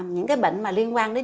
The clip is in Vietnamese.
những cái bệnh mà liên quan đến